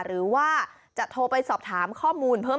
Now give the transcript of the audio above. หรือว่าจะโทรไปสอบถามข้อมูลเพิ่ม